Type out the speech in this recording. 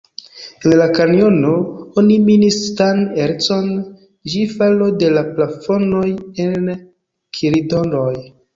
En la kanjono oni minis stan-ercon ĝis falo de la plafonoj en koridoroj.